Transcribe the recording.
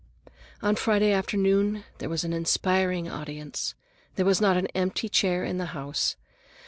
On Friday afternoon there was an inspiring audience; there was not an empty chair in the house.